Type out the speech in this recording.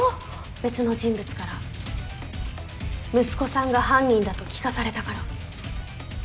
別の人物から息子さんが犯人だと聞かされたから。